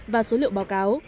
và số liệu báo cáo